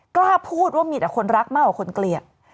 กล้าพูดว่ามีแต่คนรักมากกว่าคนเกลียด